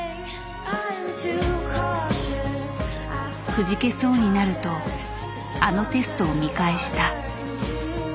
くじけそうになるとあのテストを見返した。